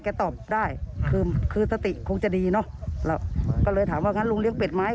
ตอบได้คือคือสติคงจะดีเนอะแล้วก็เลยถามว่างั้นลุงเลี้ยเป็ดไหม